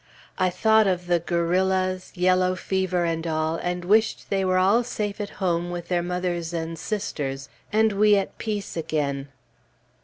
I thought of the guerrillas, yellow fever, and all, and wished they were all safe at home with their mothers and sisters, and we at peace again.